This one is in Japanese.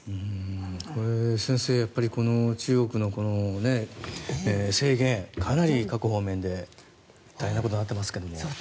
中林先生、中国の制限かなり各方面で大変なことになっていますが。